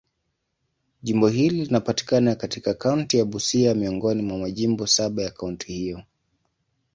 Jimbo hili linapatikana katika kaunti ya Busia, miongoni mwa majimbo saba ya kaunti hiyo.